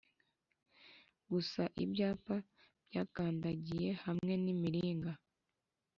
gusa ibyapa byakandagiye hamwe nimiringa